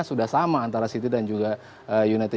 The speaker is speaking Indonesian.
sudah sama antara city dan juga united